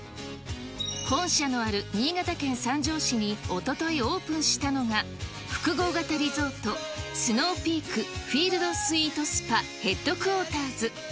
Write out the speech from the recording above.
本社のある新潟県三条市に、おとといオープンしたのが、複合型リゾート、スノーピークフィールドスイートスパヘッドクォーターズ。